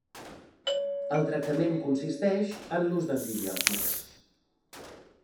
El tractament consisteix en l'ús d'antibiòtics.